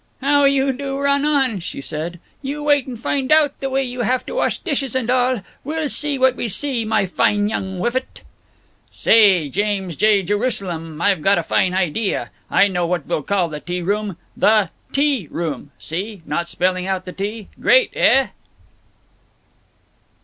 "How you do run on!" she said. "You wait and find out the way you have to wash dishes and all. We'll see what we see, my fine young whiffet." "Say, James J. Jerusalem but I've got a fine idea. I know what we'll call the tea room 'The T Room' see, not spelling out the T. Great, eh?"